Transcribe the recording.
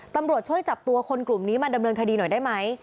ตำรวจช่วยจับตัวคนกลุ่มนี้มาดำเนินคดีหน่อยได้ไหม